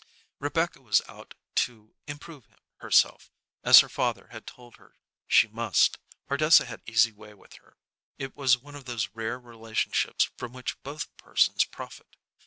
Rebecca was out to "improve herself," as her father had told her she must. Ardessa had easy way with her. It was one of those rare relationships from which both persons profit.